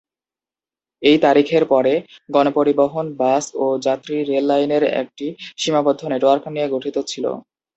এই তারিখের পরে, গণপরিবহন বাস ও যাত্রী রেল লাইনের একটি সীমাবদ্ধ নেটওয়ার্ক নিয়ে গঠিত ছিল।